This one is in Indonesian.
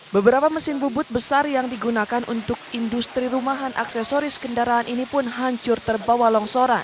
beberapa mesin bubut besar yang digunakan untuk industri rumahan aksesoris kendaraan ini pun hancur terbawa longsoran